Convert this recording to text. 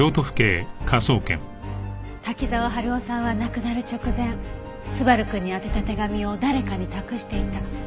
滝沢春夫さんは亡くなる直前昴くんに宛てた手紙を誰かに託していた。